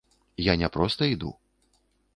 Я не проста іду.